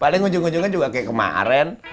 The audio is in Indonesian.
paling ngunjung ngunjungnya juga kayak kemaren